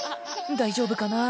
大丈夫かな？